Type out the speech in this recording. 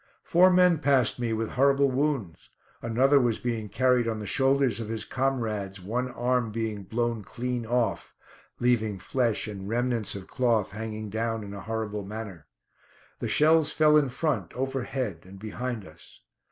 Four men passed me, with horrible wounds; another was being carried on the shoulders of his comrades, one arm being blown clean off, leaving flesh and remnants of cloth hanging down in a horrible manner. The shells fell in front, overhead and behind us.